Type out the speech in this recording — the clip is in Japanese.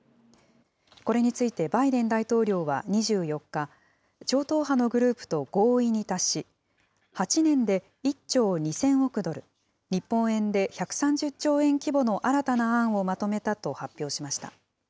これについてバイデン大統領は２４日、超党派のグループと合意に達し、８年で１兆２０００億ドル、日本円で１３０兆円規模の新たな案をまとめたと発表しました。